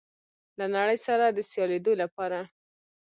له نړۍ سره د سیالېدو لپاره